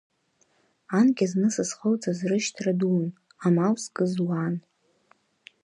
Анкьа зны сызхылҵыз рышьҭра дуун, амал зкыз уаан.